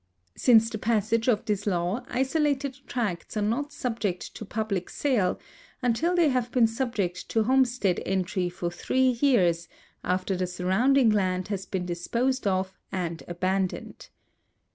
Since the passage of this law isolated tracts are not subject to public sale until they have been subject to homestead entry for three years after the surrounding land has been disposed of and abandoned.